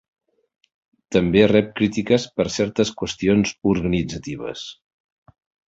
També rep crítiques per certes qüestions organitzatives.